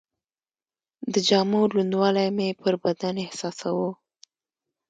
د جامو لوندوالی مې پر بدن احساساوه.